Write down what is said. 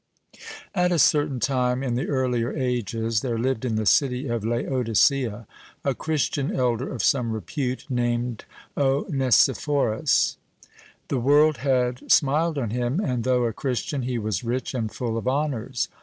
At a certain time in the earlier ages there lived in the city of Laodicea a Christian elder of some repute, named Onesiphorus. The world had smiled on him, and though a Christian, he was rich and full of honors.